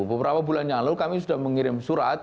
beberapa bulan yang lalu kami sudah mengirim surat